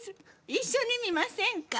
一緒に見ませんか？